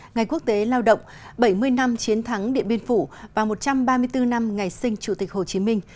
ngày quốc tế lao động bảy mươi năm chiến thắng điện biên phủ và một trăm ba mươi bốn năm ngày sinh chủ tịch hồ chí minh